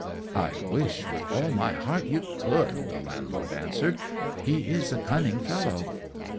"I wish, with all my heart, you could," the Landlord answered; "but he is a cunning fellow."